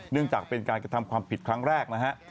จากเป็นการกระทำความผิดครั้งแรกนะฮะ